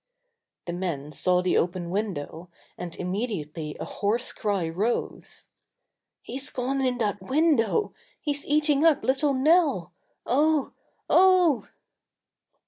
The men saw the open window, and im mediately a hoarse cry rose. "He's gone in that window! He's eating up little Nell! Oh I Oh!"